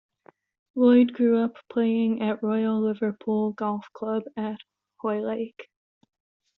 Lloyd grew up playing at Royal Liverpool Golf Club at Hoylake.